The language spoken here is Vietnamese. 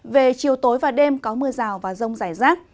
về chiều tối và đêm có mưa rào và rông rải rác